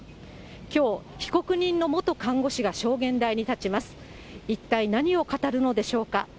きょう、被告人の元看護師が証言台に立ちます。